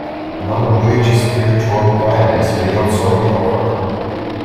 Non-religious spiritual guidance may also be offered.